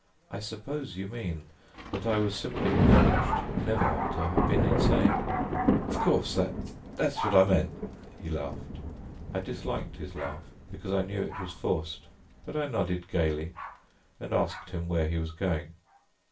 "I suppose you mean that I was simply acknowledged never to have been insane." "Of course that that's what I meant," he laughed. I disliked his laugh because I knew it was forced, but I nodded gaily and asked him where he was going.